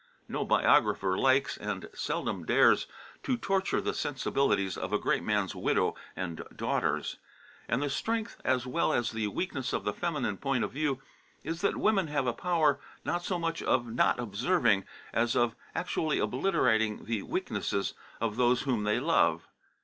No biographer likes, and seldom dares, to torture the sensibilities of a great man's widow and daughters. And the strength as well as the weakness of the feminine point of view is that women have a power not so much of not observing, as of actually obliterating the weaknesses of those whom they love.